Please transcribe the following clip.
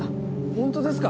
ホントですか？